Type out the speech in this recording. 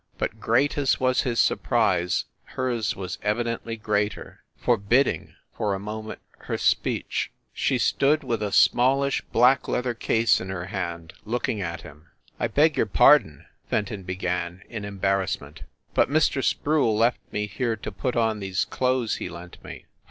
But great as was his surprise, hers was evidently greater forbidding, for a moment, her speech. She THE SUITE AT THE PLAZA 123 stood with a smallish black leather case in her hand, looking at him. "I beg your pardon," Fenton began, in embarrass ment, "but Mr. Sproule left me here to put on these clothes he lent me."